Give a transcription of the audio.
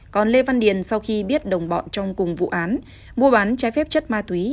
còn lê văn điền sau khi biết đồng bọn trong cùng vụ án mua bán trái phép chất ma túy